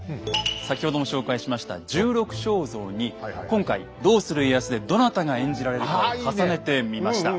先ほども紹介しました「十六将像」に今回「どうする家康」でどなたが演じられるかを重ねてみました。